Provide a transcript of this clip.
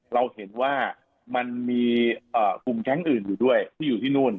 เราเห็นว่ามันมีกลุ่มแก๊งอื่นอยู่ด้วยที่อยู่ที่นู่น